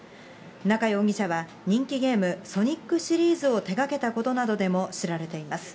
中容疑者は人気ゲーム、ソニックシリーズを手がけたことなどでも知られています。